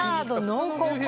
濃厚。